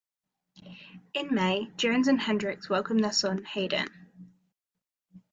In May, Jones and Henricks welcomed their son, Hayden.